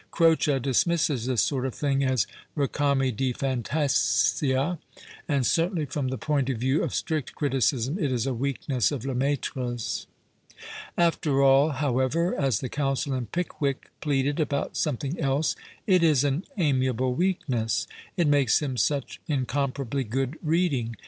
Croce dis misses this sort of thing as ncami di fantasia, and certainly, from the point of view of strict criticism, it is a weakness of Lemaitre's. After all, however (as the counsel in " Pickwick " pleaded about something else), it is an amiable weakness ; it makes him such incomparably good reading